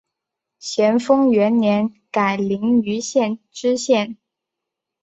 咸丰元年改临榆县知县。